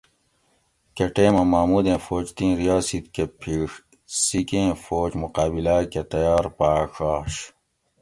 کہ ٹیمہ محمودیں فوج تیں ریاسِت کہ پھیڛ سیکھیں فوج مقابلا کہ تیار پاڄ آش